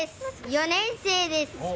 ４年生です。